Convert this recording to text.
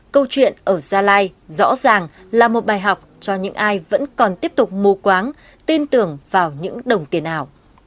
câu chuyện ở gia lai rõ ràng là một bài học cho những ai vẫn còn tiếp tục mù quáng tin tưởng vào những đồng tiền ảo